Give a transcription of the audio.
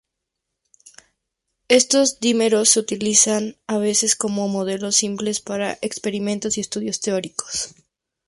Estos dímeros se utilizan a veces como modelos simples para experimentos y estudios teóricos.